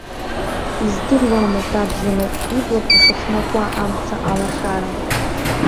Издыруамызт, абзамыҟә, иблақәа шыхнакуа амца алашара.